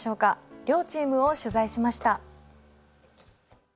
両チームを取材しました。